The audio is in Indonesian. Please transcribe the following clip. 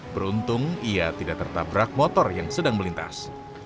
beruntung ia tidak tertabrak motor yang sedang melintas